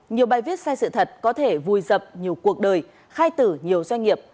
nhiều bài viết sai sự thật có thể vùi dập nhiều cuộc đời khai tử nhiều doanh nghiệp